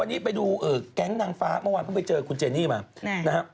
วันนี้ไปดูแก๊งนางฟ้าเมื่อวานเพิ่งไปเจอคุณเจนี่มานะครับ